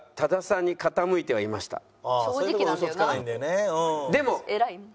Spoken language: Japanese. そういうところウソつかないんだよね。